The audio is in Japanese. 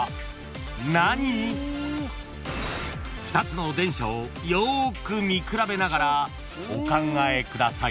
［２つの電車をよーく見比べながらお考えください］